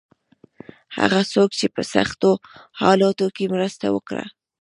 هغه څوک چې په سختو حالاتو کې مرسته وکړه.